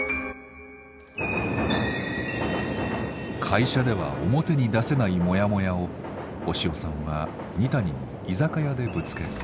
会社では表に出せないもやもやを押尾さんは二谷に居酒屋でぶつける。